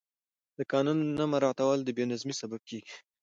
د قانون نه مراعت د بې نظمي سبب کېږي